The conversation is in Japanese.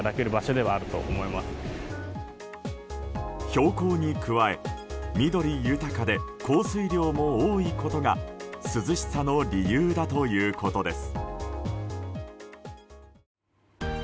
標高に加え緑豊かで降水量も多いことが涼しさの理由だということです。